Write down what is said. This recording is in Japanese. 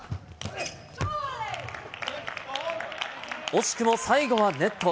惜しくも最後はネット。